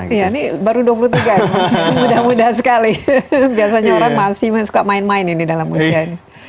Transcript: iya ini baru dua puluh tiga ya mudah mudahan sekali biasanya orang masih suka main main ini dalam usia ini